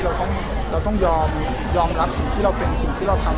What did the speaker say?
เราต้องยอมรับสิ่งที่เราเป็นสิ่งที่เราทำ